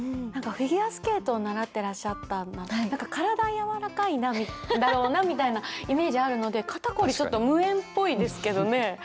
何かフィギュアスケートを習ってらっしゃったなら体柔らかいだろうなみたいなイメージあるので肩凝りちょっと無縁っぽいですけどね。